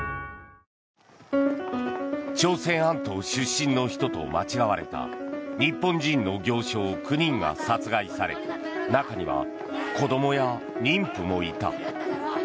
朝鮮半島出身の人と間違われた日本人の行商９人が殺害され中には子供や妊婦もいた。